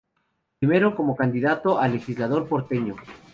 Primero, como candidato a legislador porteño.